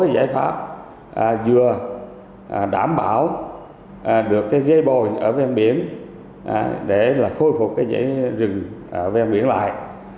giải pháp vừa đảm bảo được gây bồi ở ven biển để khôi phục rừng ven biển lại